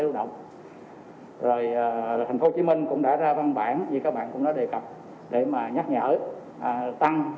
lưu động rồi thành phố hồ chí minh cũng đã ra văn bản như các bạn cũng đã đề cập để nhắc nhở tăng